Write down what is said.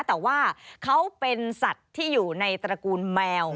แต่ว่าเขาเป็นสัตว์ที่อยู่ในตระกูลแมว